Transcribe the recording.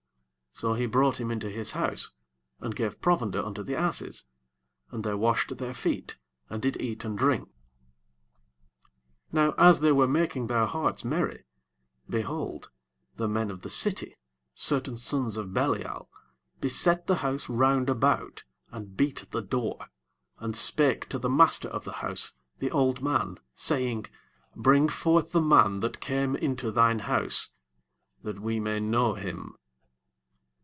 21 So he brought him into his house, and gave provender unto the asses: and they washed their feet, and did eat and drink. 22 ¶ Now as they were making their hearts merry, behold, the men of the city, certain sons of Be'li al, beset the house round about, and beat at the door, and spake to the master of the house, the old man, saying, Bring forth the man that came into thine house, that we may know him.